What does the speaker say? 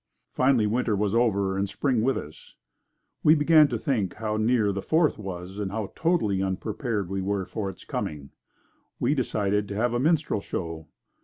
Finally winter was over and spring with us. We began to think how near the Fourth was and how totally unprepared we were for its coming. We decided to have a minstrel show.